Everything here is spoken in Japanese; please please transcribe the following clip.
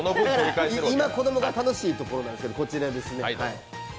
今、子供が楽しいところなんですけど、こちらですね。